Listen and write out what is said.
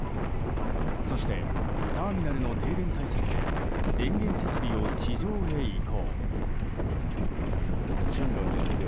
そして、ターミナルの停電対策で電源設備を地上へ移行。